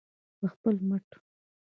په خپل مټ.